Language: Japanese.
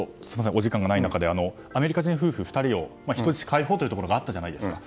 お時間がない中でアメリカ人夫婦２人を人質解放があったじゃないですか。